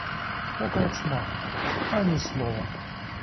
По корчмах — ані слова!